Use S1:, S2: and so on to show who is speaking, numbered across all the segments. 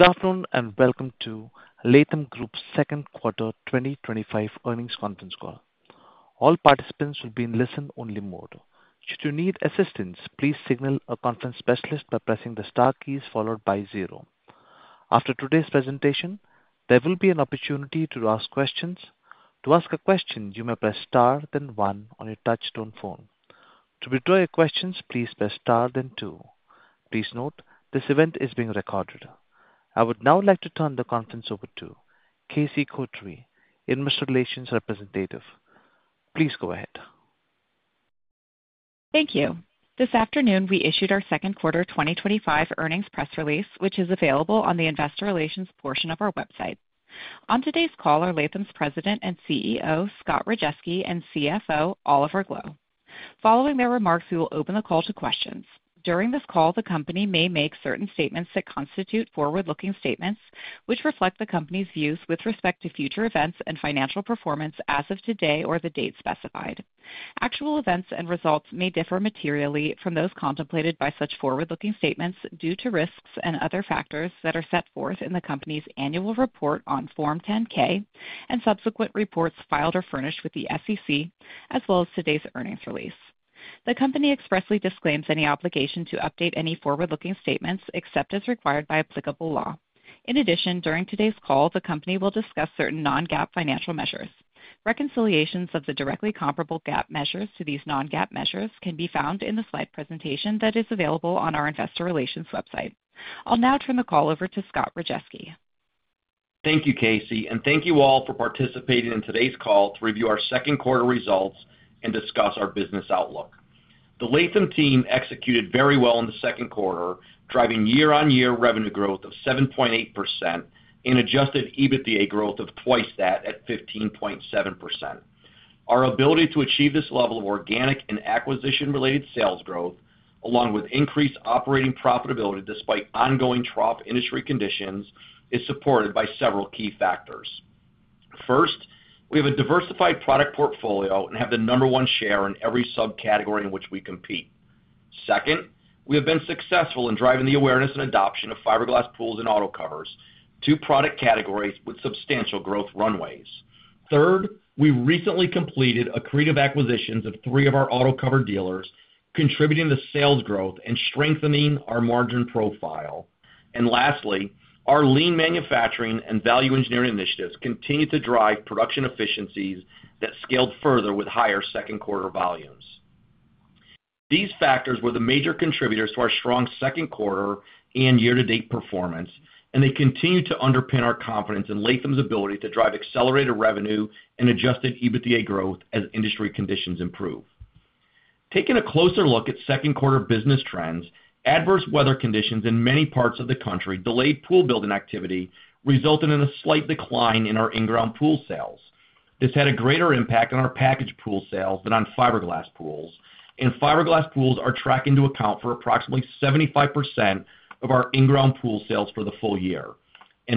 S1: Good afternoon and welcome to Latham Group's Second Quarter 2025 Earnings Conference Call. All participants will be in the listen-only mode. Should you need assistance, please signal a conference specialist by pressing the star key followed by zero. After today's presentation, there will be an opportunity to ask questions. To ask a question, you may press star, then one on your touch-tone phone. To withdraw your questions, please press star, then two. Please note this event is being recorded. I would now like to turn the conference over to Casey Kotary, Investor Relations Representative. Please go ahead.
S2: Thank you. This afternoon, we issued our second quarter 2025 earnings press release, which is available on the Investor Relations portion of our website. On today's call are Latham's President and CEO, Scott Rajeski, and CFO, Oliver Gloe. Following their remarks, we will open the call to questions. During this call, the company may make certain statements that constitute forward-looking statements, which reflect the company's views with respect to future events and financial performance as of today or the date specified. Actual events and results may differ materially from those contemplated by such forward-looking statements due to risks and other factors that are set forth in the company's annual report on Form 10-K and subsequent reports filed or furnished with the SEC, as well as today's earnings release. The company expressly disclaims any obligation to update any forward-looking statements except as required by applicable law. In addition, during today's call, the company will discuss certain non-GAAP financial measures. Reconciliations of the directly comparable GAAP measures to these non-GAAP measures can be found in the slide presentation that is available on our Investor Relations website. I'll now turn the call over to Scott Rajeski.
S3: Thank you, Casey. Thank you all for participating in today's call to review our second quarter results and discuss our business outlook. The Latham team executed very well in the second quarter, driving year-on-year revenue growth of 7.8% and adjusted EBITDA growth of twice that at 15.7%. Our ability to achieve this level of organic and acquisition-related sales growth, along with increased operating profitability despite ongoing trough industry conditions, is supported by several key factors. First, we have a diversified product portfolio and have the number one share in every subcategory in which we compete. Second, we have been successful in driving the awareness and adoption of fiberglass pools and autocovers, two product categories with substantial growth runways. Third, we recently completed a creative acquisition of three of our autocover dealers, contributing to sales growth and strengthening our margin profile. Lastly, our lean manufacturing and value engineering initiatives continue to drive production efficiencies that scaled further with higher second quarter volumes. These factors were the major contributors to our strong second quarter and year-to-date performance, and they continue to underpin our confidence in Latham's ability to drive accelerated revenue and adjusted EBITDA growth as industry conditions improve. Taking a closer look at second quarter business trends, adverse weather conditions in many parts of the country delayed pool building activity, resulting in a slight decline in our in-ground pool sales. This had a greater impact on our packaged pool sales than on fiberglass pools, and fiberglass pools are tracked into account for approximately 75% of our in-ground pool sales for the full year.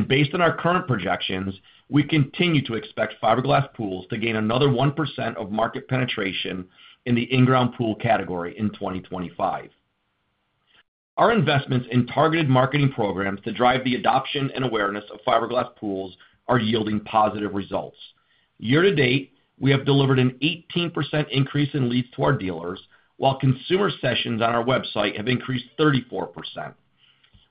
S3: Based on our current projections, we continue to expect fiberglass pools to gain another 1% of market penetration in the in-ground pool category in 2025. Our investments in targeted marketing programs to drive the adoption and awareness of fiberglass pools are yielding positive results. Year to date, we have delivered an 18% increase in leads to our dealers, while consumer sessions on our website have increased 34%.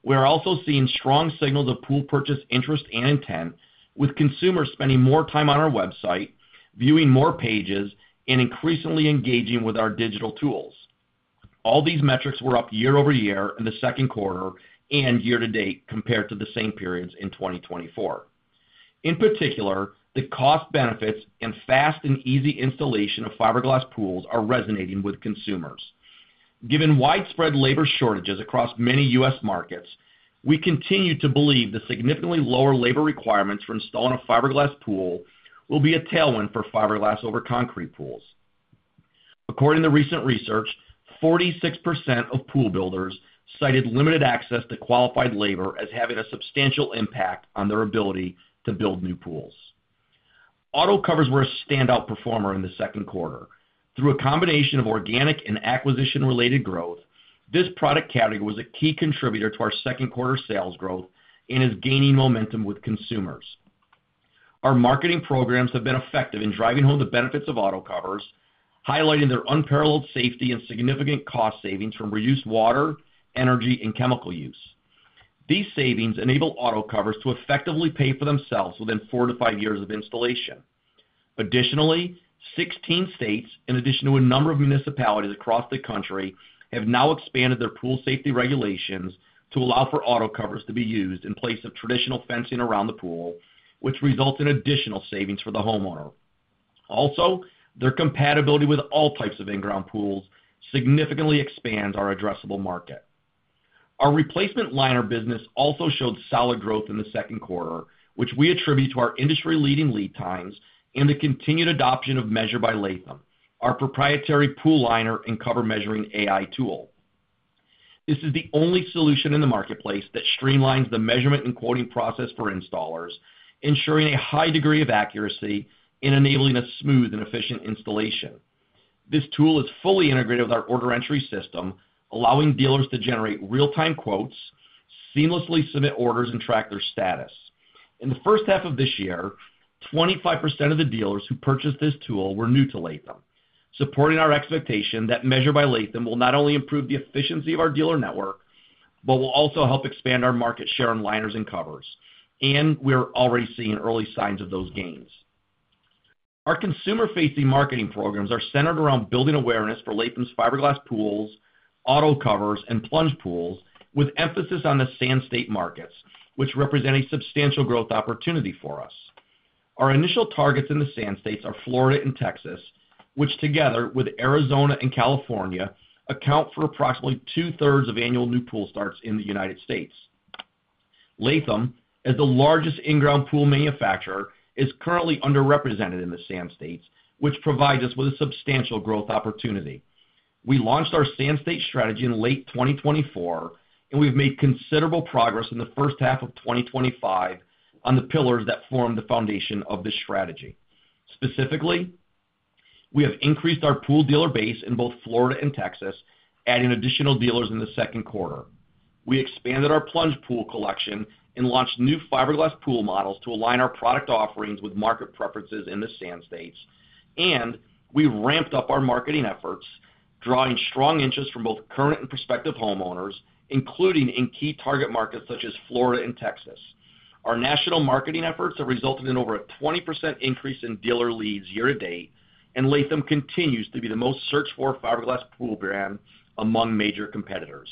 S3: We are also seeing strong signals of pool purchase interest and intent, with consumers spending more time on our website, viewing more pages, and increasingly engaging with our digital tools. All these metrics were up year-over-year in the second quarter and year to date compared to the same periods in 2024. In particular, the cost benefits and fast and easy installation of fiberglass pools are resonating with consumers. Given widespread labor shortages across many U.S. markets, we continue to believe the significantly lower labor requirements for installing a fiberglass pool will be a tailwind for fiberglass over concrete pools. According to recent research, 46% of pool builders cited limited access to qualified labor as having a substantial impact on their ability to build new pools. Autocovers were a standout performer in the second quarter. Through a combination of organic and acquisition-related growth, this product category was a key contributor to our second quarter sales growth and is gaining momentum with consumers. Our marketing programs have been effective in driving home the benefits of autocovers, highlighting their unparalleled safety and significant cost savings from reduced water, energy, and chemical use. These savings enable autocovers to effectively pay for themselves within four to five years of installation. Additionally, 16 states, in addition to a number of municipalities across the country, have now expanded their pool safety regulations to allow for autocovers to be used in place of traditional fencing around the pool, which results in additional savings for the homeowner. Also, their compatibility with all types of in-ground pools significantly expands our addressable market. Our replacement liner business also showed solid growth in the second quarter, which we attribute to our industry-leading lead times and the continued adoption of Measure by Latham, our proprietary pool liner and cover measuring AI tool. This is the only solution in the marketplace that streamlines the measurement and quoting process for installers, ensuring a high degree of accuracy and enabling a smooth and efficient installation. This tool is fully integrated with our order entry system, allowing dealers to generate real-time quotes, seamlessly submit orders, and track their status. In the first half of this year, 25% of the dealers who purchased this tool were new to Latham, supporting our expectation that Measure by Latham will not only improve the efficiency of our dealer network, but will also help expand our market share in liners and covers. We are already seeing early signs of those gains. Our consumer-facing marketing programs are centered around building awareness for Latham's fiberglass pools, autocovers, and plunge pools, with emphasis on the Sand State markets, which represent a substantial growth opportunity for us. Our initial targets in the Sand States are Florida and Texas, which together with Arizona and California account for approximately two-thirds of annual new pool starts in the United States. Latham, as the largest in-ground pool manufacturer, is currently underrepresented in the Sand States, which provides us with a substantial growth opportunity. We launched our Sand State strategy in late 2024, and we've made considerable progress in the first half of 2025 on the pillars that form the foundation of this strategy. Specifically, we have increased our pool dealer base in both Florida and Texas, adding additional dealers in the second quarter. We expanded our plunge pool collection and launched new fiberglass pool models to align our product offerings with market preferences in the Sand States. We ramped up our marketing efforts, drawing strong interest from both current and prospective homeowners, including in key target markets such as Florida and Texas. Our national marketing efforts have resulted in over a 20% increase in dealer leads year to date, and Latham continues to be the most searched-for fiberglass pool brand among major competitors.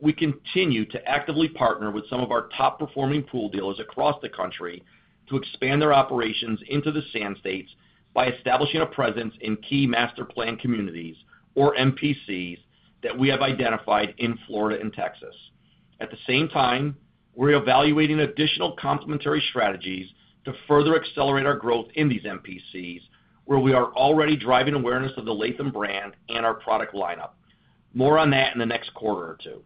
S3: We continue to actively partner with some of our top-performing pool dealers across the country to expand their operations into the Sand States by establishing a presence in key master planned communities, or MPCs, that we have identified in Florida and Texas. At the same time, we're evaluating additional complementary strategies to further accelerate our growth in these MPCs, where we are already driving awareness of the Latham brand and our product lineup. More on that in the next quarter or two.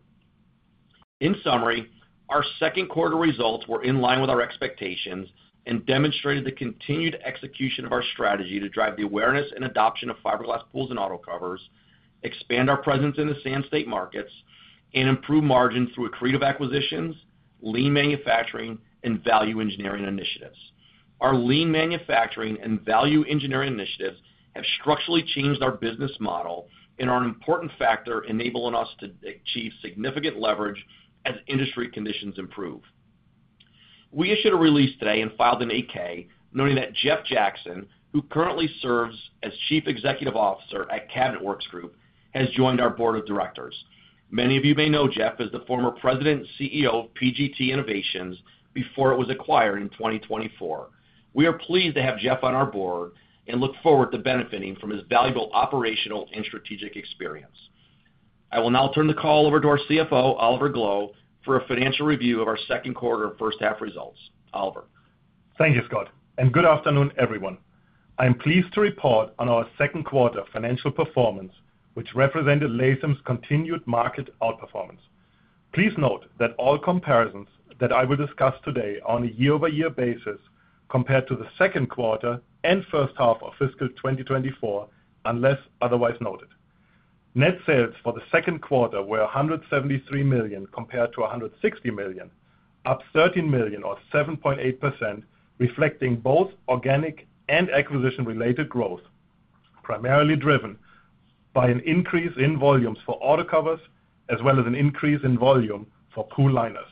S3: In summary, our second quarter results were in line with our expectations and demonstrated the continued execution of our strategy to drive the awareness and adoption of fiberglass pools and autocovers, expand our presence in the Sand State markets, and improve margins through creative acquisitions, lean manufacturing, and value engineering initiatives. Our lean manufacturing and value engineering initiatives have structurally changed our business model and are an important factor enabling us to achieve significant leverage as industry conditions improve. We issued a release today and filed an 8-K, noting that Jeff Jackson, who currently serves as Chief Executive Officer at Cabinet Works Group, has joined our board of directors. Many of you may know Jeff as the former President and CEO of PGT Innovations before it was acquired in 2024. We are pleased to have Jeff on our board and look forward to benefiting from his valuable operational and strategic experience. I will now turn the call over to our CFO, Oliver Gloe, for a financial review of our second quarter and first half results. Oliver.
S4: Thank you, Scott, and good afternoon, everyone. I am pleased to report on our second quarter financial performance, which represented Latham's continued market outperformance. Please note that all comparisons that I will discuss today are on a year-over-year basis compared to the second quarter and first half of fiscal 2024, unless otherwise noted. Net sales for the second quarter were $173 million compared to $160 million, up $13 million, or 7.8%, reflecting both organic and acquisition-related growth, primarily driven by an increase in volumes for autocovers as well as an increase in volume for pool liners.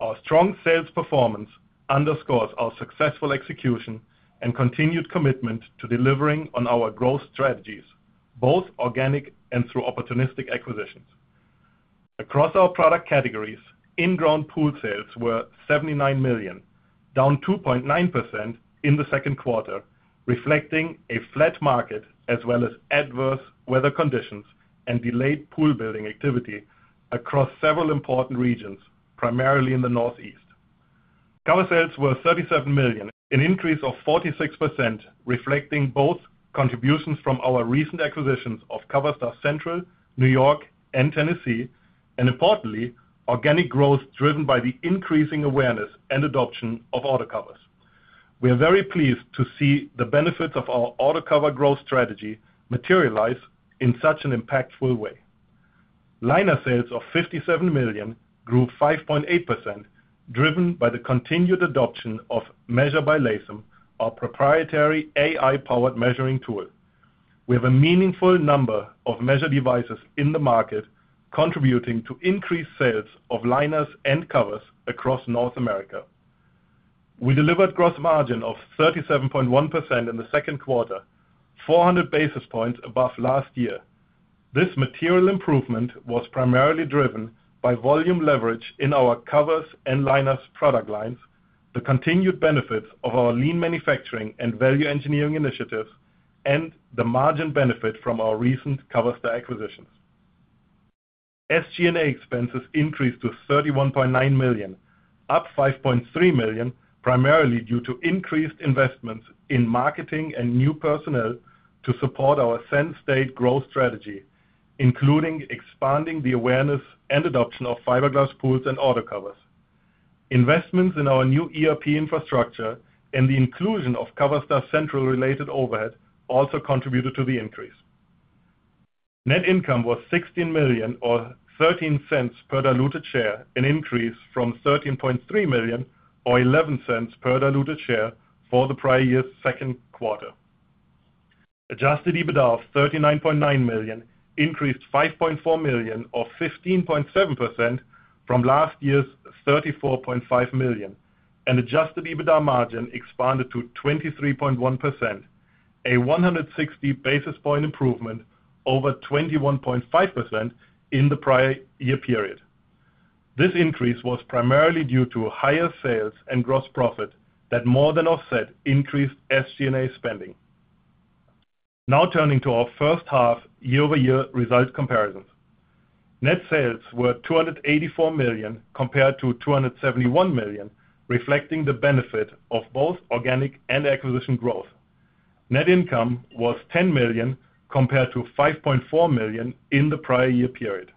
S4: Our strong sales performance underscores our successful execution and continued commitment to delivering on our growth strategies, both organic and through opportunistic acquisitions. Across our product categories, in-ground pool sales were $79 million, down 2.9% in the second quarter, reflecting a flat market as well as adverse weather conditions and delayed pool building activity across several important regions, primarily in the Northeast. Cover sales were $37 million, an increase of 46%, reflecting both contributions from our recent acquisitions of Coverstar Central, New York, and Tennessee, and importantly, organic growth driven by the increasing awareness and adoption of autocovers. We are very pleased to see the benefits of our autocover growth strategy materialize in such an impactful way. Liner sales of $57 million grew 5.8%, driven by the continued adoption of Measure by Latham, our proprietary AI-powered measuring tool. We have a meaningful number of measure devices in the market, contributing to increased sales of liners and covers across North America. We delivered a gross margin of 37.1% in the second quarter, 400 basis points above last year. This material improvement was primarily driven by volume leverage in our covers and liners product lines, the continued benefits of our lean manufacturing and value engineering initiatives, and the margin benefit from our Coverstar acquisitions. SG&A expenses increased to $31.9 million, up $5.3 million, primarily due to increased investments in marketing and new personnel to support our Sand State growth strategy, including expanding the awareness and adoption of fiberglass pools and autocovers. Investments in our new ERP infrastructure and the inclusion of Coverstar Central-related overhead also contributed to the increase. Net income was $16 million, or $0.13 per diluted share, an increase from $13.3 million, or $0.11 per diluted share for the prior year's second quarter. Adjusted EBITDA of $39.9 million increased $5.4 million, or 15.7% from last year's $34.5 million, and adjusted EBITDA margin expanded to 23.1%, a 160 basis point improvement over 21.5% in the prior year period. This increase was primarily due to higher sales and gross profit that more than offset increased SG&A spending. Now turning to our first half year-over-year result comparisons. Net sales were $284 million compared to $271 million, reflecting the benefit of both organic and acquisition growth. Net income was $10 million compared to $5.4 million in the prior year period.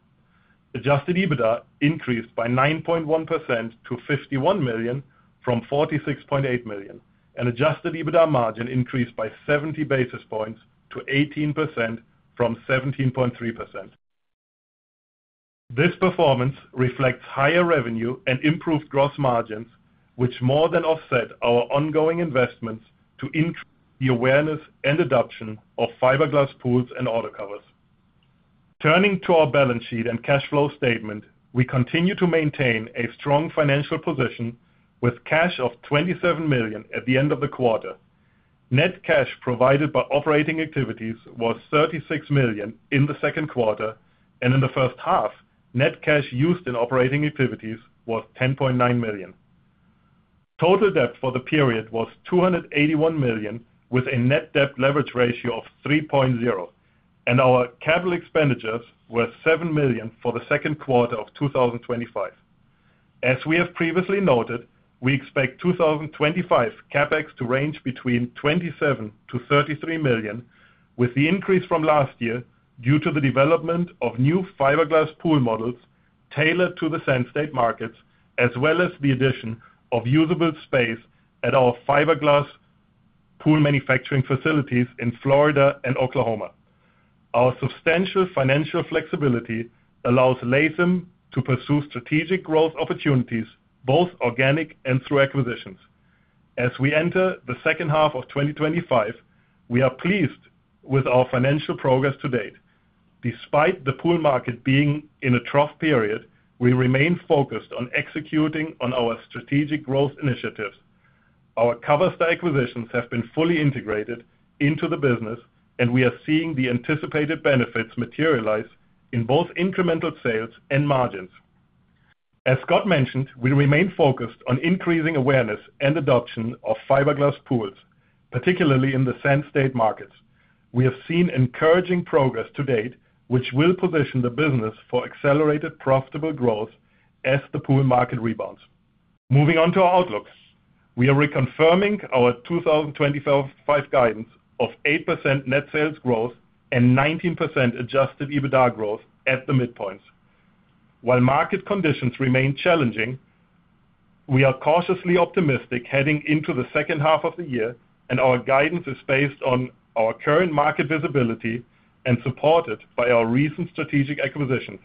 S4: Adjusted EBITDA increased by 9.1% to $51 million from $46.8 million, and adjusted EBITDA margin increased by 70 basis points to 18% from 17.3%. This performance reflects higher revenue and improved gross margins, which more than offset our ongoing investments to increase the awareness and adoption of fiberglass pools and autocovers. Turning to our balance sheet and cash flow statement, we continue to maintain a strong financial position with cash of $27 million at the end of the quarter. Net cash provided by operating activities was $36 million in the second quarter, and in the first half, net cash used in operating activities was $10.9 million. Total debt for the period was $281 million, with a net debt leverage ratio of 3.0, and our capital expenditures were $7 million for the second quarter of 2025. As we have previously noted, we expect 2025 CapEx to range between $27 million-$33 million, with the increase from last year due to the development of new fiberglass pool models tailored to the Sand State markets, as well as the addition of usable space at our fiberglass pool manufacturing facilities in Florida and Oklahoma. Our substantial financial flexibility allows Latham to pursue strategic growth opportunities, both organic and through acquisitions. As we enter the second half of 2025, we are pleased with our financial progress to date. Despite the pool market being in a trough period, we remain focused on executing on our strategic growth initiatives. Coverstar central acquisitions have been fully integrated into the business, and we are seeing the anticipated benefits materialize in both incremental sales and margins. As Scott mentioned, we remain focused on increasing awareness and adoption of fiberglass pools, particularly in the Sand State markets. We have seen encouraging progress to date, which will position the business for accelerated profitable growth as the pool market rebounds. Moving on to our outlook, we are reconfirming our 2025 guidance of 8% net sales growth and 19% adjusted EBITDA growth at the midpoints. While market conditions remain challenging, we are cautiously optimistic heading into the second half of the year, and our guidance is based on our current market visibility and supported by our recent strategic acquisitions,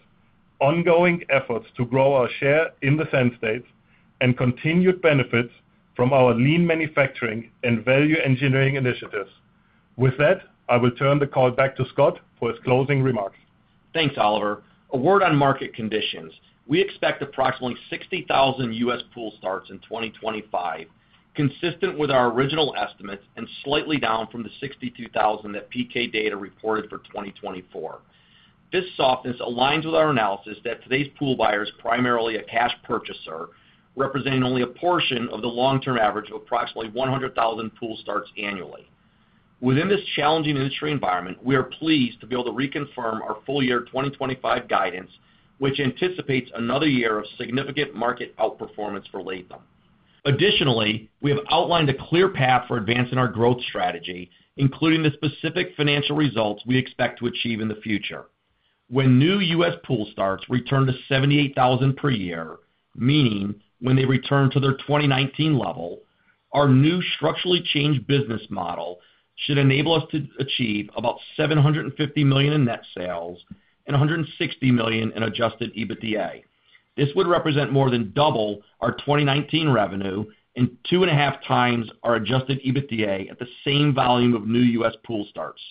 S4: ongoing efforts to grow our share in the Sand States, and continued benefits from our lean manufacturing and value engineering initiatives. With that, I will turn the call back to Scott for his closing remarks.
S3: Thanks, Oliver. A word on market conditions. We expect approximately 60,000 U.S. pool starts in 2025, consistent with our original estimates and slightly down from the 62,000 that PK data reported for 2024. This softness aligns with our analysis that today's pool buyers are primarily a cash purchaser, representing only a portion of the long-term average of approximately 100,000 pool starts annually. Within this challenging industry environment, we are pleased to be able to reconfirm our full year 2025 guidance, which anticipates another year of significant market outperformance for Latham. Additionally, we have outlined a clear path for advancing our growth strategy, including the specific financial results we expect to achieve in the future. When new U.S. pool starts return to 78,000 per year, meaning when they return to their 2019 level, our new structurally changed business model should enable us to achieve about $750 million in net sales and $160 million in adjusted EBITDA. This would represent more than double our 2019 revenue and two and a half times our adjusted EBITDA at the same volume of new U.S. pool starts.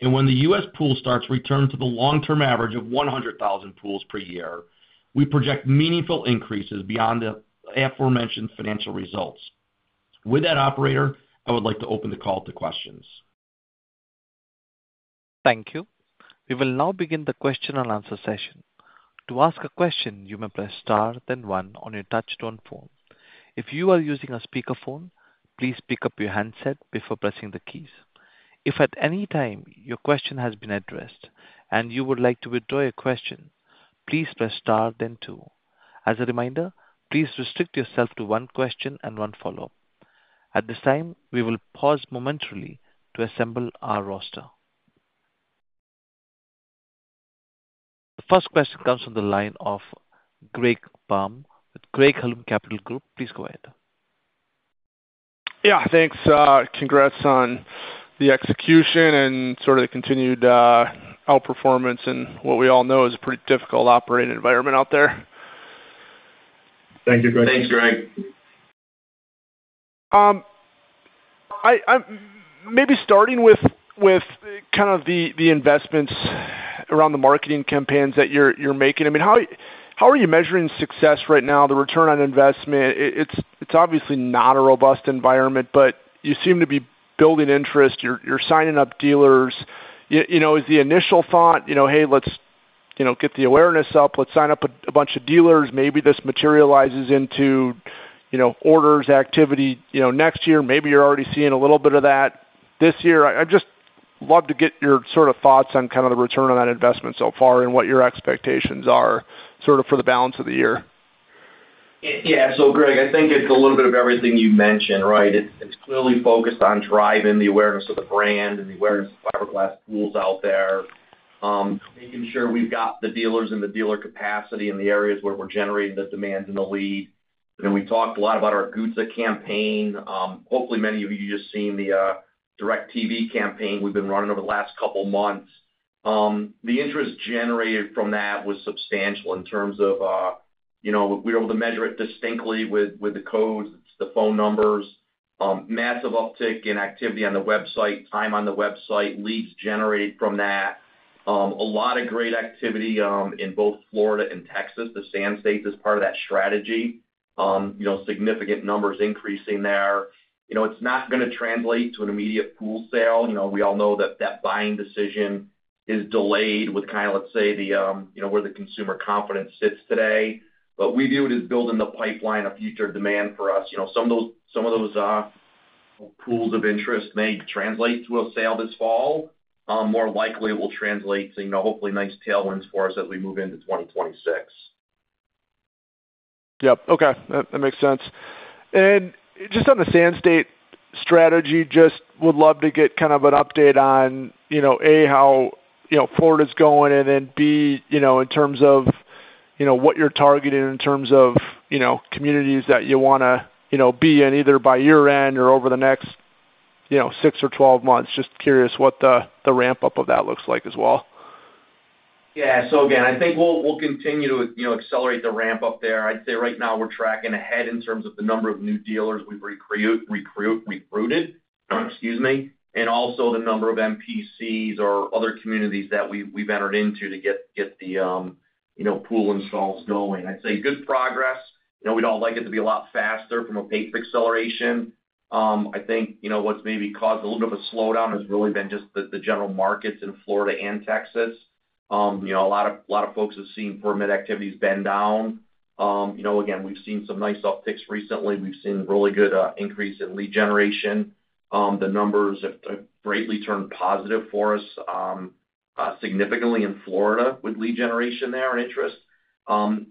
S3: When the U.S. pool starts return to the long-term average of 100,000 pools per year, we project meaningful increases beyond the aforementioned financial results. With that, operator, I would like to open the call to questions.
S1: Thank you. We will now begin the question and answer session. To ask a question, you may press star, then one on your touch-tone phone. If you are using a speakerphone, please pick up your handset before pressing the keys. If at any time your question has been addressed and you would like to withdraw your question, please press star, then two. As a reminder, please restrict yourself to one question and one follow-up. At this time, we will pause momentarily to assemble our roster. The first question comes from the line of Greg Palm at Craig-Hallum Capital Group. Please go ahead.
S5: Yeah, thanks. Congrats on the execution and sort of the continued outperformance in what we all know is a pretty difficult operating environment out there.
S4: Thank you, Greg.
S3: Thanks, Greg.
S5: Maybe starting with kind of the investments around the marketing campaigns that you're making. I mean, how are you measuring success right now? The return on investment, it's obviously not a robust environment, but you seem to be building interest. You're signing up dealers. Is the initial thought, you know, hey, let's get the awareness up. Let's sign up a bunch of dealers. Maybe this materializes into, you know, orders activity next year. Maybe you're already seeing a little bit of that this year. I'd just love to get your sort of thoughts on kind of the return on that investment so far and what your expectations are for the balance of the year.
S3: Yeah, so Greg, I think it's a little bit of everything you mentioned, right? It's clearly focused on driving the awareness of the brand and the awareness of fiberglass pools out there, making sure we've got the dealers and the dealer capacity in the areas where we're generating the demands and the lead. We talked a lot about our [GUTSA] campaign. Hopefully, many of you have just seen the direct TV campaign we've been running over the last couple of months. The interest generated from that was substantial in terms of, you know, we were able to measure it distinctly with the codes, the phone numbers, massive uptick in activity on the website, time on the website, leads generated from that. A lot of great activity in both Florida and Texas. The Sand State is part of that strategy. Significant numbers increasing there. It's not going to translate to an immediate pool sale. We all know that that buying decision is delayed with kind of, let's say, where the consumer confidence sits today. What we do is build in the pipeline of future demand for us. Some of those pools of interest may translate to a sale this fall. More likely, it will translate, you know, hopefully nice tailwinds for us as we move into 2026.
S5: Okay, that makes sense. Just on the Sand State strategy, I would love to get kind of an update on, you know, A, how Florida is going, and then B, in terms of what you're targeting in terms of communities that you want to be in either by year end or over the next six or 12 months. Just curious what the ramp-up of that looks like as well.
S3: Yeah, I think we'll continue to accelerate the ramp-up there. I'd say right now we're tracking ahead in terms of the number of new dealers we've recruited and also the number of MPCs or other communities that we've entered into to get the pool installs going. I'd say good progress. We'd all like it to be a lot faster from a pace of acceleration. I think what's maybe caused a little bit of a slowdown has really been just the general markets in Florida and Texas. A lot of folks have seen permit activities bend down. We've seen some nice upticks recently. We've seen really good increase in lead generation. The numbers have greatly turned positive for us, significantly in Florida with lead generation there and interest.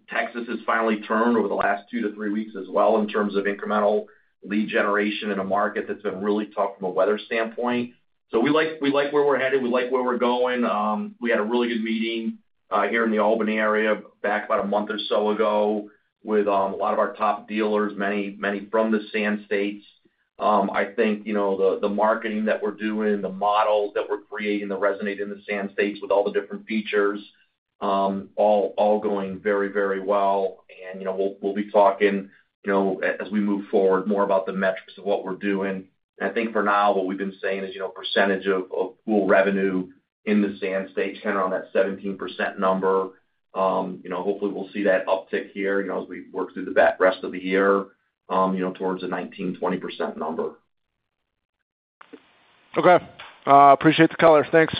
S3: Texas has finally turned over the last two to three weeks as well in terms of incremental lead generation in a market that's been really tough from a weather standpoint. We like where we're headed. We like where we're going. We had a really good meeting here in the Albany area back about a month or so ago with a lot of our top dealers, many from the Sand States. I think the marketing that we're doing, the models that we're creating that resonate in the Sand States with all the different features, all going very, very well. We'll be talking as we move forward more about the metrics of what we're doing. I think for now, what we've been saying is percentage of pool revenue in the Sand States kind of on that 17% number. Hopefully, we'll see that uptick here as we work through the rest of the year towards the 19%, 20% number.
S5: Okay. Appreciate the color. Thanks.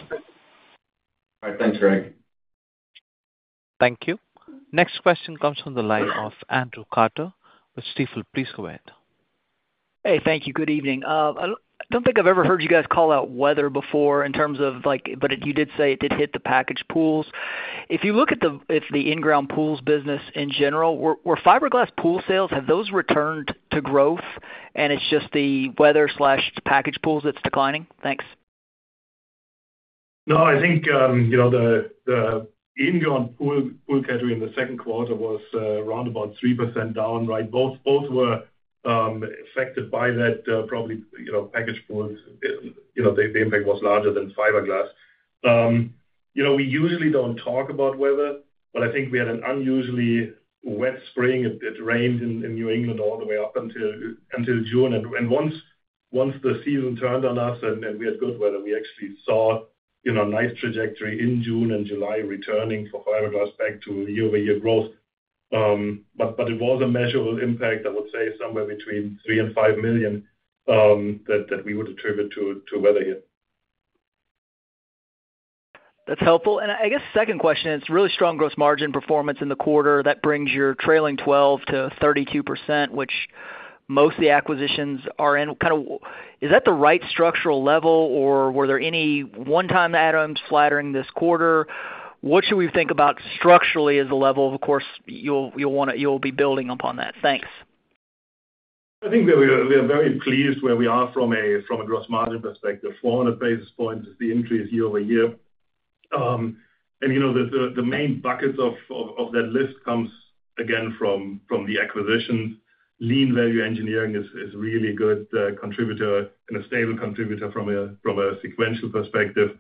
S3: All right. Thanks, Greg.
S1: Thank you. Next question comes from the line of Andrew Carter from Stifel, please go ahead.
S6: Hey, thank you. Good evening. I don't think I've ever heard you guys call out weather before in terms of like, but you did say it did hit the packaged pools. If you look at the in-ground pools business in general, were fiberglass pool sales, have those returned to growth, and it's just the weather / packaged pools that's declining? Thanks.
S4: No, I think the in-ground pool category in the second quarter was around about 3% down, right? Both were affected by that, probably packaged pools. The impact was larger than fiberglass. We usually don't talk about weather, but I think we had an unusually wet spring. It rained in New England all the way up until June. Once the season turned on us and we had good weather, we actually saw a nice trajectory in June and July returning for fiberglass back to year-over-year growth. It was a measurable impact, I would say, somewhere between $3 million and $5 million that we would attribute to weather here.
S6: That's helpful. I guess second question, it's really strong gross margin performance in the quarter that brings your trailing 12%-32%, which most of the acquisitions are in. Is that the right structural level, or were there any one-time add-ons flattering this quarter? What should we think about structurally as a level? Of course, you'll be building upon that. Thanks.
S4: I think that we are very pleased where we are from a gross margin perspective. 400 basis points is the increase year-over-year. The main buckets of that lift come again from the acquisitions. Lean value engineering is a really good contributor and a stable contributor from a sequential perspective.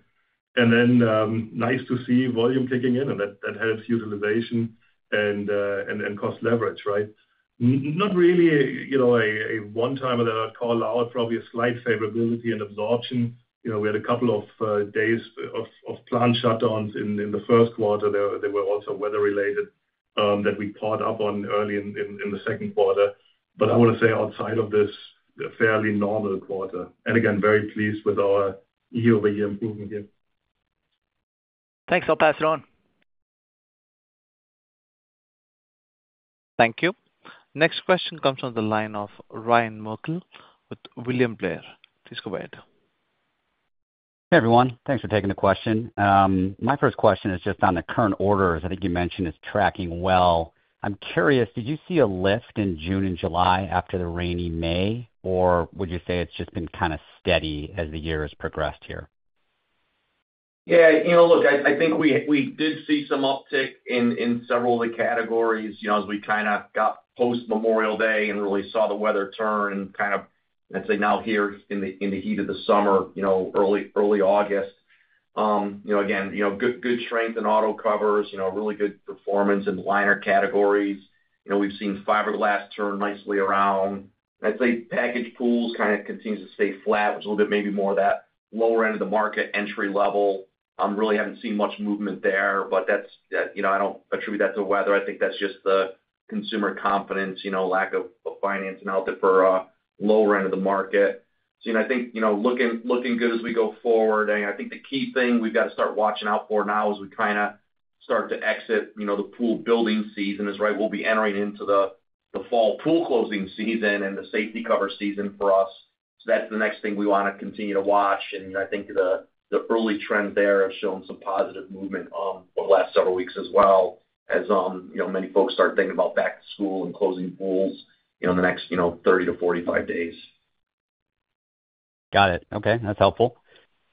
S4: It is nice to see volume kicking in, and that helps utilization and cost leverage, right? Not really a one-time call out, probably a slight favorability in absorption. We had a couple of days of planned shutdowns in the first quarter. They were also weather-related that we caught up on early in the second quarter. I want to say outside of this, a fairly normal quarter. Very pleased with our year-over-year improvement here.
S6: Thanks. I'll pass it on.
S1: Thank you. Next question comes from the line of Ryan Merkel with William Blair. Please go ahead.
S7: Hey everyone, thanks for taking the question. My first question is just on the current orders. I think you mentioned it's tracking well. I'm curious, did you see a lift in June and July after the rainy May, or would you say it's just been kind of steady as the year has progressed here?
S3: Yeah, you know, look, I think we did see some uptick in several of the categories as we kind of got post-Memorial Day and really saw the weather turn and kind of, I'd say now here in the heat of the summer, you know, early August. You know, again, good strength in autocovers, really good performance in the liner categories. We've seen fiberglass turn nicely around. I'd say packaged pools kind of continue to stay flat, which is a little bit maybe more of that lower end of the market entry level. I really haven't seen much movement there, but that's, you know, I don't attribute that to weather. I think that's just the consumer confidence, lack of financing out there for a lower end of the market. You know, I think, you know, looking good as we go forward. I think the key thing we've got to start watching out for now is we kind of start to exit the pool building season. Right. We'll be entering into the fall pool closing season and the safety cover season for us. That's the next thing we want to continue to watch. I think the early trend there has shown some positive movement over the last several weeks as well, as many folks start thinking about back to school and closing pools in the next 30-45 days.
S7: Got it. Okay, that's helpful.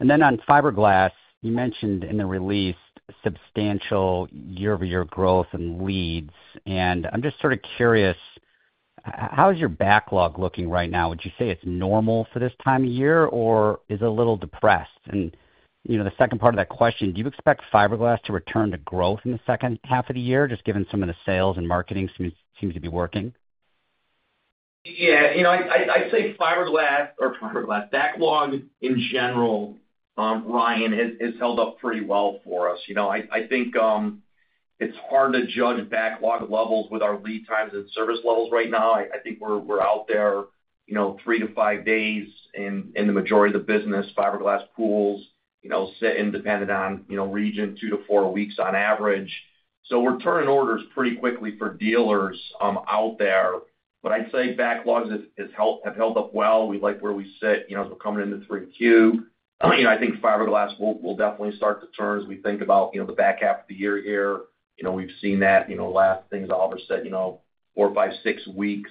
S7: On fiberglass, you mentioned in the release substantial year-over-year growth in leads. I'm just sort of curious, how is your backlog looking right now? Would you say it's normal for this time of year, or is it a little depressed? The second part of that question, do you expect fiberglass to return to growth in the second half of the year, just given some of the sales and marketing seems to be working?
S3: Yeah, I'd say fiberglass or fiberglass backlog in general, Ryan, has held up pretty well for us. I think it's hard to judge backlog levels with our lead times and service levels right now. I think we're out there three to five days in the majority of the business. Fiberglass pools sit independent on region two to four weeks on average. We're turning orders pretty quickly for dealers out there. I'd say backlogs have held up well. We like where we sit as we're coming into 3Q. I think fiberglass will definitely start to turn as we think about the back half of the year here. We've seen that last things all of a sudden four by six weeks.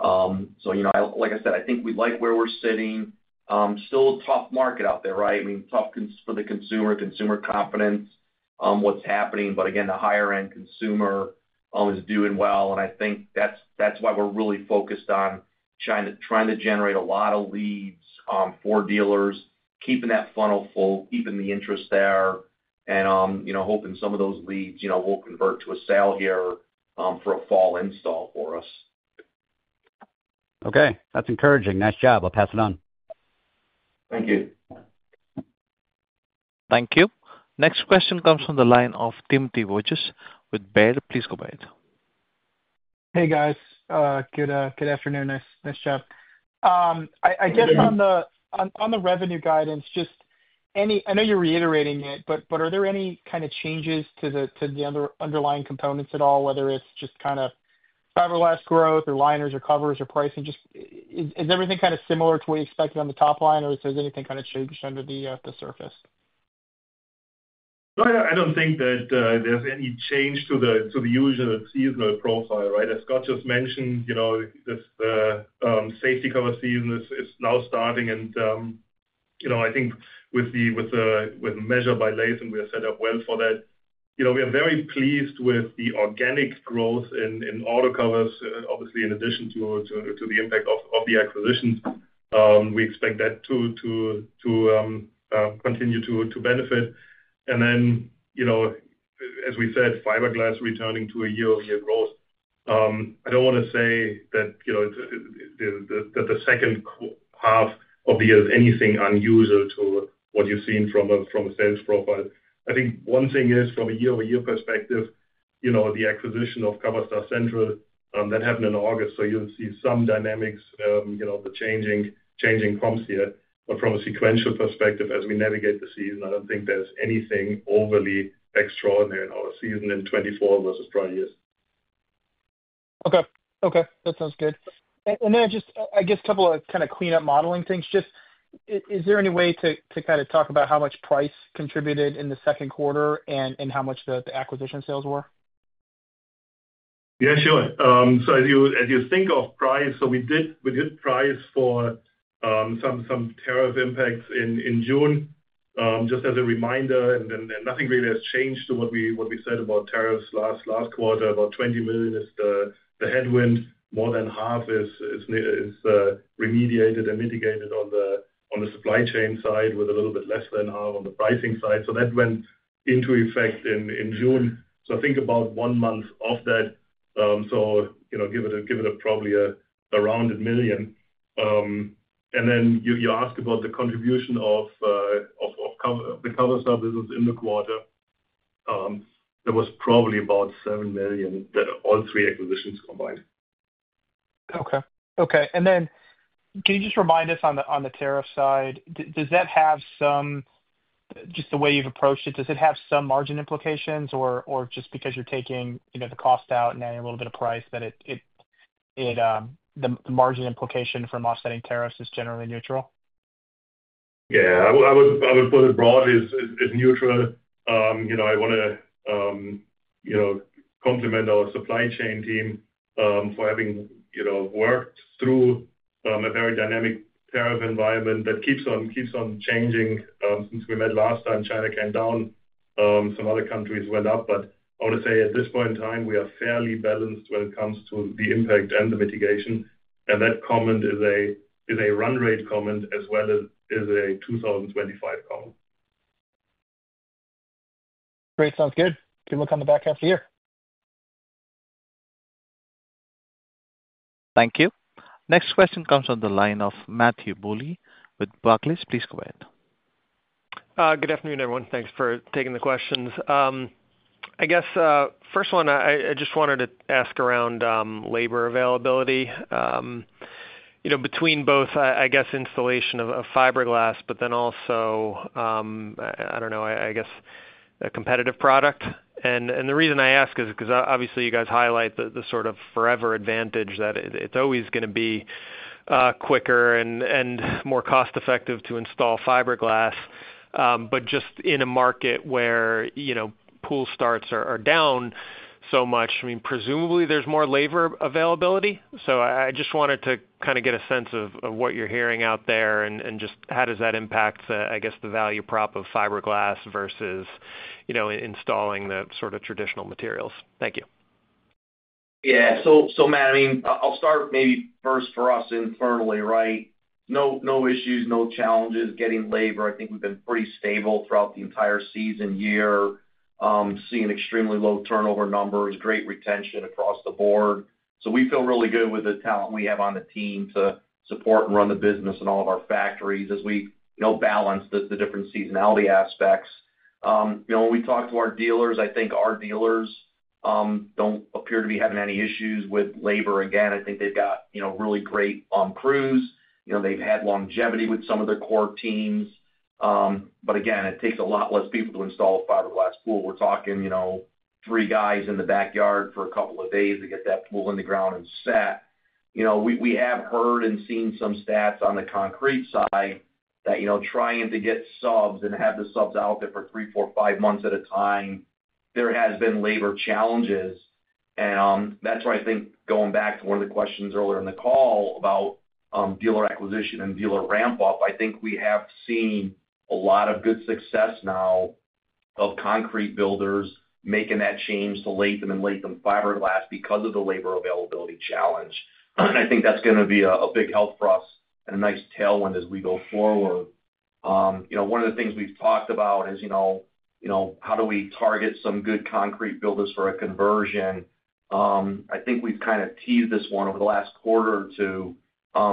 S3: Like I said, I think we like where we're sitting. Still a tough market out there, right? I mean, tough for the consumer, consumer confidence, what's happening. The higher-end consumer is doing well. I think that's why we're really focused on trying to generate a lot of leads for dealers, keeping that funnel full, keeping the interest there, and hoping some of those leads will convert to a sale here for a fall install for us.
S7: Okay, that's encouraging. Nice job. I'll pass it on.
S1: Thank you. Next question comes from the line of Timothy Wojs with Baird. Please go ahead.
S8: Hey guys, good afternoon. Nice job. I guess on the revenue guidance, just any, I know you're reiterating it, but are there any kind of changes to the underlying components at all, whether it's just kind of fiberglass growth or liners or covers or pricing? Is everything kind of similar to what you expected on the top line, or is there anything kind of changed under the surface?
S4: I don't think that there's any change to the usual seasonal profile, right? As Scott just mentioned, the safety cover season is now starting. I think with Measure by Latham, we are set up well for that. We are very pleased with the organic growth in autocovers, obviously, in addition to the impact of the acquisitions. We expect that to continue to benefit. As we said, fiberglass returning to a year-over-year growth. I don't want to say that the second half of the year is anything unusual to what you've seen from a sales profile. I think one thing is from a year-over-year perspective, the acquisition of Coverstar Central happened in August. You'll see some dynamics, the changing pumps here. From a sequential perspective, as we navigate the season, I don't think there's anything overly extraordinary in our season in 2024 versus prior years.
S8: Okay, that sounds good. I guess a couple of kind of clean-up modeling things. Is there any way to kind of talk about how much price contributed in the second quarter and how much the acquisition sales were?
S4: Yeah, sure. As you think of price, we did price for some tariff impacts in June, just as a reminder. Nothing really has changed to what we said about tariffs last quarter. About $20 million is the headwind. More than half is remediated and mitigated on the supply chain side, with a little bit less than half on the pricing side. That went into effect in June. I think about one month of that, so probably around $1 million. You asked about the contribution of the Coverstar business in the quarter. That was probably about $7 million, all three acquisitions combined.
S8: Okay. Can you just remind us on the tariff side? Does that have some, just the way you've approached it, does it have some margin implications or just because you're taking, you know, the cost out and adding a little bit of price that it, the margin implication from offsetting tariffs is generally neutral?
S4: Yeah, I would put it broadly as neutral. I want to compliment our supply chain team for having worked through a very dynamic tariff environment that keeps on changing since we met last time. China came down, some other countries went up. I want to say at this point in time, we are fairly balanced when it comes to the impact and the mitigation. That comment is a run rate comment as well as a 2025 comment.
S8: Great, sounds good. Good luck on the back half of the year.
S1: Thank you. Next question comes from the line of Matthew Bouley with Barclays. Please go ahead.
S9: Good afternoon, everyone. Thanks for taking the questions. I guess first one, I just wanted to ask around labor availability. You know, between both, I guess, installation of fiberglass, but then also, I don't know, I guess a competitive product. The reason I ask is because obviously you guys highlight the sort of forever advantage that it's always going to be quicker and more cost-effective to install fiberglass. In a market where, you know, pool starts are down so much, presumably there's more labor availability. I just wanted to kind of get a sense of what you're hearing out there and just how does that impact, I guess, the value prop of fiberglass versus, you know, installing the sort of traditional materials. Thank you.
S3: Yeah, Matt, I'll start maybe first for us internally, right? No issues, no challenges getting labor. I think we've been pretty stable throughout the entire season year, seeing extremely low turnover numbers, great retention across the board. We feel really good with the talent we have on the team to support and run the business in all of our factories as we balance the different seasonality aspects. When we talk to our dealers, I think our dealers don't appear to be having any issues with labor. I think they've got really great crews. They've had longevity with some of their core teams. It takes a lot less people to install a fiberglass pool. We're talking three guys in the backyard for a couple of days to get that pool in the ground and set. We have heard and seen some stats on the concrete side that trying to get subs and have the subs out there for three, four, five months at a time, there have been labor challenges. That's why I think going back to one of the questions earlier in the call about dealer acquisition and dealer ramp-up, we have seen a lot of good success now of concrete builders making that change to Latham and Latham fiberglass because of the labor availability challenge. I think that's going to be a big help for us and a nice tailwind as we go forward. One of the things we've talked about is how do we target some good concrete builders for a conversion? I think we've kind of teed this one over the last quarter or two,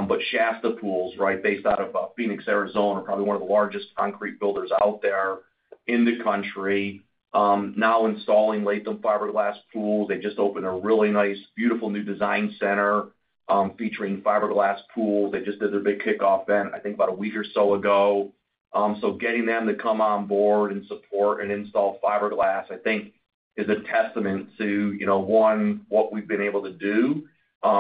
S3: but Shasta Pools, right, based out of Phoenix, Arizona, probably one of the largest concrete builders out there in the country, now installing Latham fiberglass pools. They just opened a really nice, beautiful new design center featuring fiberglass pools. They just did a big kickoff event, I think, about a week or so ago. Getting them to come on board and support and install fiberglass, I think, is a testament to what we've been able to do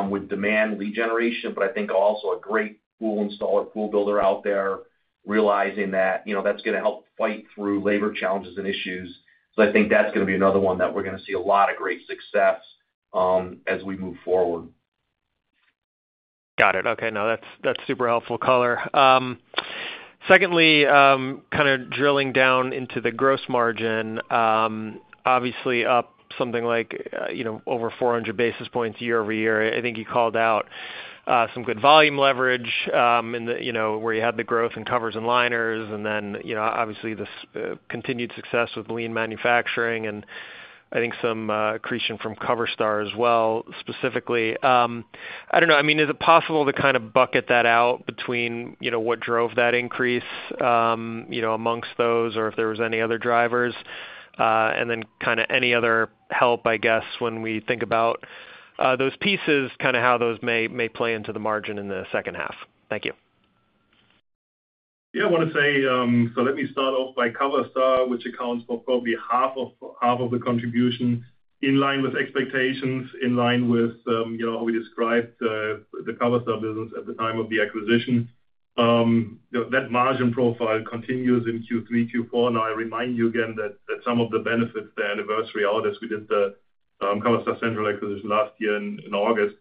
S3: with demand lead generation, but I think also a great pool installer, pool builder out there realizing that that's going to help fight through labor challenges and issues. I think that's going to be another one that we're going to see a lot of great success as we move forward.
S9: Got it. Okay. No, that's super helpful color. Secondly, kind of drilling down into the gross margin, obviously up something like, you know, over 400 basis points year-over-year. I think you called out some good volume leverage in the, you know, where you had the growth in covers and liners, and then, you know, obviously this continued success with lean manufacturing and I think some accretion from Coverstar as well, specifically. I don't know. I mean, is it possible to kind of bucket that out between, you know, what drove that increase, you know, amongst those, or if there were any other drivers, and then kind of any other help, I guess, when we think about those pieces, kind of how those may play into the margin in the second half. Thank you.
S4: Yeah, I want to say, let me start off by Coverstar, which accounts for probably half of the contribution in line with expectations, in line with, you know, how we described the Coverstar business at the time of the acquisition. That margin profile continues in Q3, Q4. I remind you again that some of the benefits to anniversary audits, we did the Coverstar Central acquisition last year in August.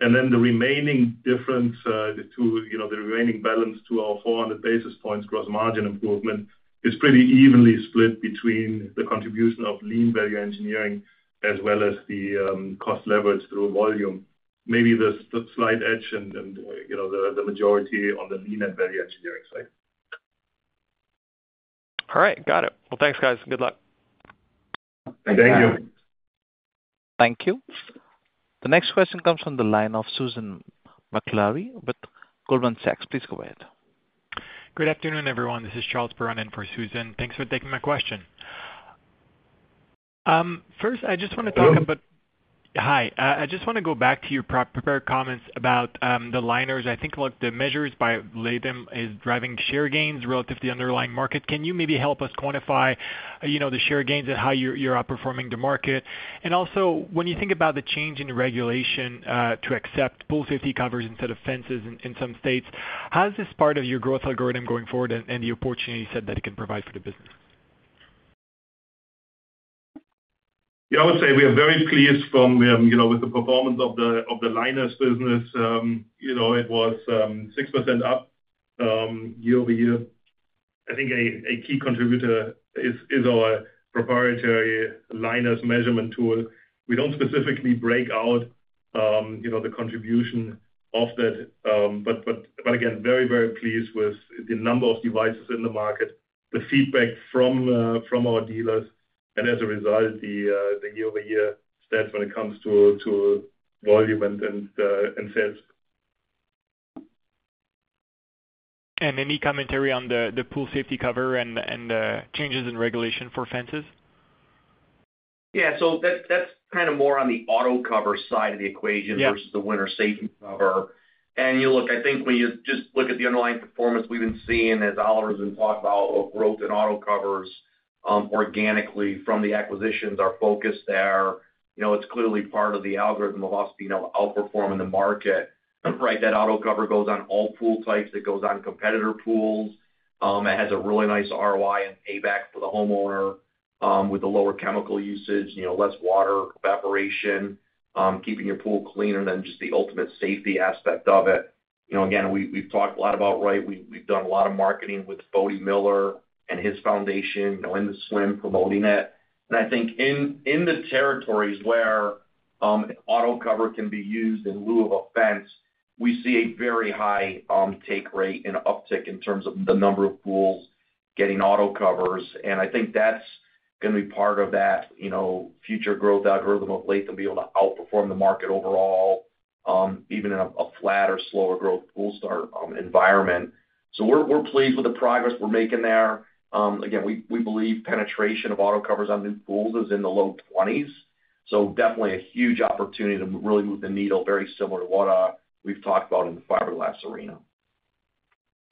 S4: The remaining difference to, you know, the remaining balance to our 400 basis points gross margin improvement is pretty evenly split between the contribution of lean value engineering as well as the cost leverage through volume. Maybe there's a slight edge and, you know, the majority on the lean and value engineering side.
S9: All right. Got it. Thanks, guys. Good luck.
S4: Thank you.
S1: Thank you. The next question comes from the line of Susan McClary with Goldman Sachs. Please go ahead.
S10: Good afternoon, everyone. This is Charles Perron for Susan. Thanks for taking my question. First, I just want to talk about, I just want to go back to your prepared comments about the liners. I think what the Measure by Latham is driving share gains relative to the underlying market. Can you maybe help us quantify the share gains and how you're outperforming the market? Also, when you think about the change in regulation to accept pool safety covers instead of fences in some states, how is this part of your growth algorithm going forward and the opportunity you said that it can provide for the business?
S4: Yeah, I would say we are very pleased with the performance of the liners business. It was 6% up year-over-year. I think a key contributor is our proprietary liners measurement tool. We don't specifically break out the contribution of that, but again, very, very pleased with the number of devices in the market, the feedback from our dealers, and as a result, the year-over-year stats when it comes to volume and sales.
S10: there any commentary on the pool safety cover and the changes in regulation for fences?
S3: Yeah, so that's kind of more on the autocover side of the equation versus the winter safety cover. I think when you just look at the underlying performance we've been seeing as Oliver's been talking about, growth in autocovers organically from the acquisitions are focused there. It's clearly part of the algorithm of us being outperforming the market. That autocover goes on all pool types. It goes on competitor pools. It has a really nice ROI and payback for the homeowner with the lower chemical usage, less water evaporation, keeping your pool clean, and then just the ultimate safety aspect of it. We've talked a lot about, we've done a lot of marketing with Bode Miller and his foundation, in the swim promoting it. I think in the territories where autocover can be used in lieu of a fence, we see a very high take rate and uptick in terms of the number of pools getting autocovers. I think that's going to be part of that future growth algorithm of Latham being able to outperform the market overall, even in a flat or slower growth pool start environment. We're pleased with the progress we're making there. We believe penetration of autocovers on new pools is in the low 20%. Definitely a huge opportunity to really move the needle very similar to what we've talked about in the fiberglass arena.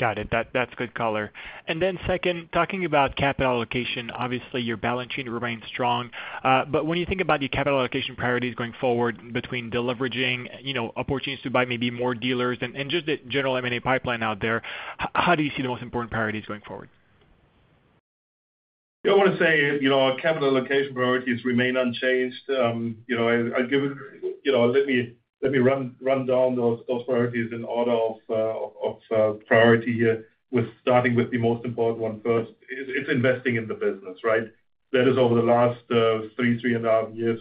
S10: Got it. That's good color. Talking about capital allocation, obviously your balance sheet remains strong. When you think about the capital allocation priorities going forward between deleveraging, opportunities to buy maybe more dealers, and just the general M&A pipeline out there, how do you see the most important priorities going forward?
S4: I want to say capital allocation priorities remain unchanged. I'll give a rundown of those priorities in order of priority here, starting with the most important one. First, it's investing in the business, right? That is, over the last three, three and a half years,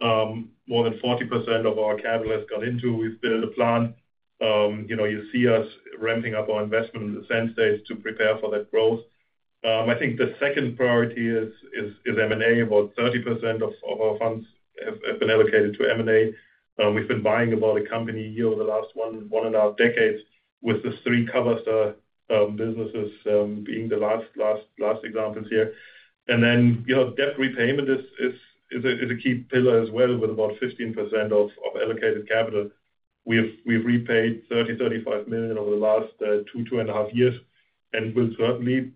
S4: more than 40% of our capital has gone into. We've built a plan. You see us ramping up our investment in the Sand States to prepare for that growth. I think the second priority is M&A. About 30% of our funds have been allocated to M&A. We've been buying about a company a year the last one and a half decades, with just three Coverstar businesses being the last examples here. Debt repayment is a key pillar as well, with about 15% of allocated capital. We've repaid $30 million-$35 million over the last two, two and a half years, and we'll certainly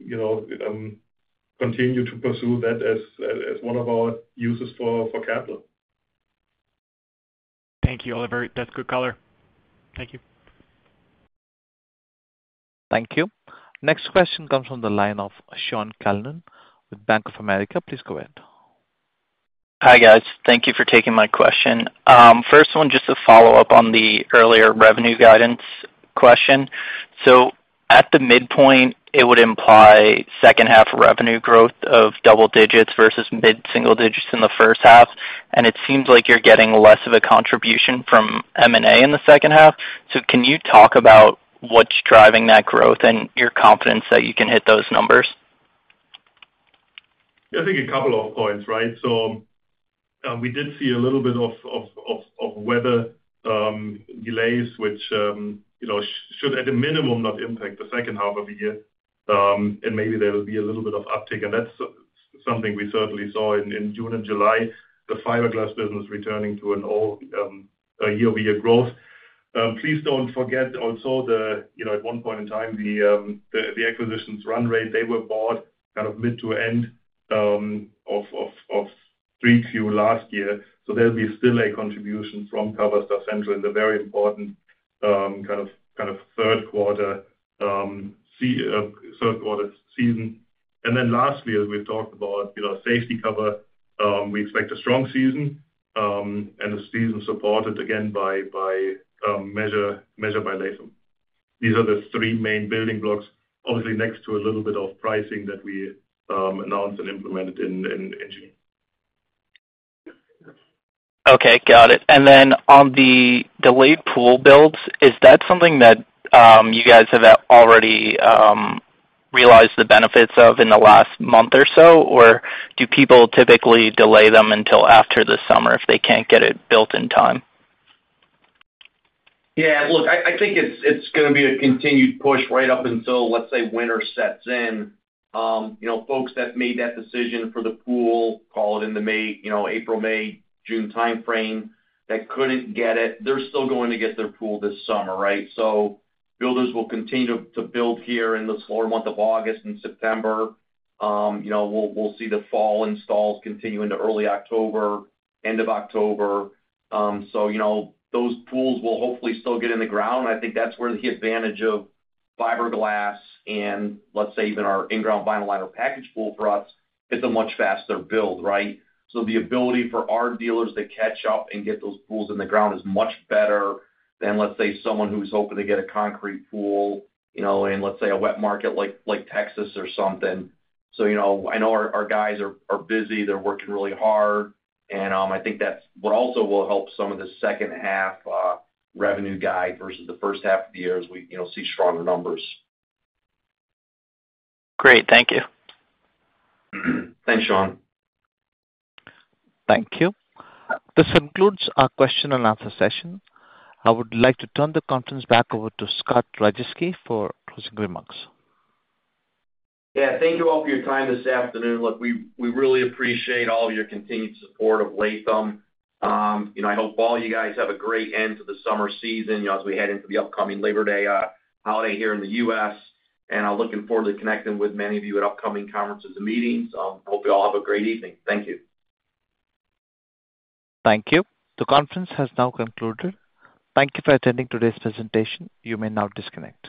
S4: continue to pursue that as one of our uses for capital.
S10: Thank you, Oliver. That's good color. Thank you.
S1: Thank you. Next question comes from the line of Sean Callan with Bank of America. Please go ahead.
S11: Hi guys, thank you for taking my question. First one, just a follow-up on the earlier revenue guidance question. At the midpoint, it would imply second half revenue growth of double digits versus mid-single digits in the first half. It seems like you're getting less of a contribution from M&A in the second half. Can you talk about what's driving that growth and your confidence that you can hit those numbers?
S4: Yeah, I think a couple of points, right? We did see a little bit of weather delays, which, you know, should at a minimum not impact the second half of the year. Maybe there will be a little bit of uptake. That's something we certainly saw in June and July, the fiberglass business returning to an all year-over-year growth. Please don't forget also, you know, at one point in time, the acquisitions run rate, they were bought kind of mid to end of 3Q last year. There'll be still a contribution from Coverstar Central in the very important kind of third quarter season. Lastly, as we've talked about, you know, safety cover, we expect a strong season and a season supported again by Measure by Latham. These are the three main building blocks, obviously next to a little bit of pricing that we announced and implemented in June.
S11: Okay, got it. On the delayed pool builds, is that something that you guys have already realized the benefits of in the last month or so, or do people typically delay them until after the summer if they can't get it built in time?
S3: Yeah, look, I think it's going to be a continued push right up until, let's say, winter sets in. Folks that made that decision for the pool, call it in the May, April, May, June timeframe that couldn't get it, they're still going to get their pool this summer, right? Builders will continue to build here in the slower month of August and September. We'll see the fall installs continue into early October, end of October. Those pools will hopefully still get in the ground. I think that's where the advantage of fiberglass and, let's say, even our in-ground vinyl liner package pool for us, it's a much faster build, right? The ability for our dealers to catch up and get those pools in the ground is much better than, let's say, someone who's hoping to get a concrete pool in, let's say, a wet market like Texas or something. I know our guys are busy. They're working really hard. I think that's what also will help some of the second half revenue guide versus the first half of the year as we see stronger numbers.
S11: Great, thank you.
S3: Thanks, Sean.
S1: Thank you. This concludes our question and answer session. I would like to turn the conference back over to Scott Rajeski for closing remarks.
S3: Thank you all for your time this afternoon. We really appreciate all of your continued support of Latham. I hope all you guys have a great end to the summer season as we head into the upcoming Labor Day holiday here in the U.S. I'm looking forward to connecting with many of you at upcoming conferences and meetings. I hope you all have a great evening. Thank you.
S1: Thank you. The conference has now concluded. Thank you for attending today's presentation. You may now disconnect.